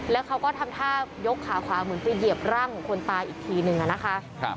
แล้วเขาก็ทำท่ายกขาขวาเหมือนไปเหยียบร่างของคนตายอีกทีนึงนะคะ